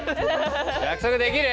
約束できる？